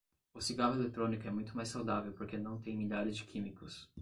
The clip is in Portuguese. O cigarro eletrônico é muito mais saudável porque não tem milhares de químicos